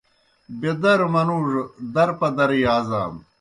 بیدروْ منُوڙوْ درپدر یازانوْ۔